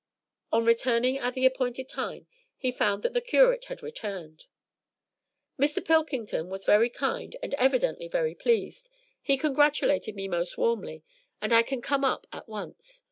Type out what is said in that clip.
On returning at the appointed time he found that the curate had returned. "Mr. Pilkington was very kind, and evidently very pleased; he congratulated me most warmly, and I can come up at once.